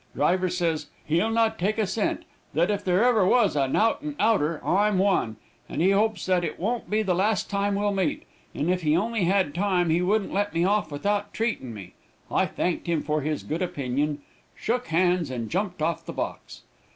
Driver says, 'he'll not take a cent; that if there ever was a nout 'n' outer, I'm one, and he hopes that it won't be the last time we'll meet; and if he only had time, he wouldn't let me off without treatin' me.' I thanked him for his good opinion, shook hands, and jumped off the box.